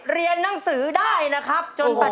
ไปดูน้องก่อนนะครับผมครับขอบคุณครับ